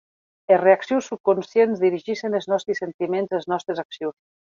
Es reaccions subconscientes dirigissen es nòsti sentiments e es nòstes accions.